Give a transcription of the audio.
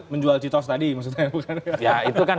menjual citos tadi maksudnya bukan ya itu kan